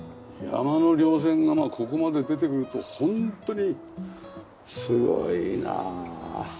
山の稜線がここまで出てくるとホントにすごいなあ。